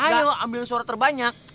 ayo ambil suara terbanyak